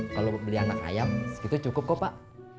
kalau beli anak ayam segitu cukup kok pak